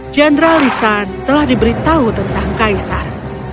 jenderal lisan telah diberitahu tentang kaisar